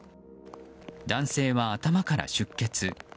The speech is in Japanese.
男性は頭から出血。